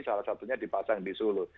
salah satunya dipasang di solo